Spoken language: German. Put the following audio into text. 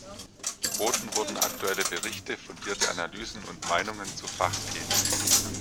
Geboten wurden aktuelle Berichte, fundierte Analysen und Meinungen zu Fachthemen.